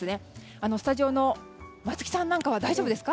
スタジオの松木さんなんかは大丈夫ですか？